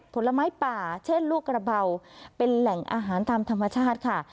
ผลไม้ป่าเช่นลูกกระเบาเป็นแหล่งอาหารตามธรรมชาติค่ะ